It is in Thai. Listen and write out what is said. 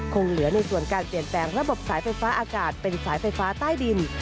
คงเหลือในส่วนการเปลี่ยนแปลงระบบสายไฟฟ้าอากาศเป็นสายไฟฟ้าใต้ดิน